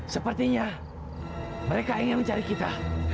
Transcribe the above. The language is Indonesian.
sepertinya mereka ingin mencari kita